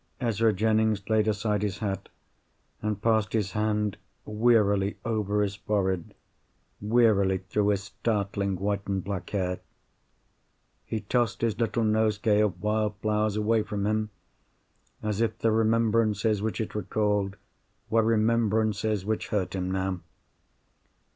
Ezra Jennings laid aside his hat, and passed his hand wearily over his forehead, wearily through his startling white and black hair. He tossed his little nosegay of wild flowers away from him, as if the remembrances which it recalled were remembrances which hurt him now.